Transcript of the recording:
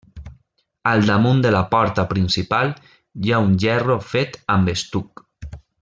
Al damunt de la porta principal, hi ha un gerro fet amb estuc.